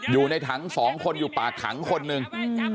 อยู่ในถัง๒คนอยู่ปากขังคนหนึ่ง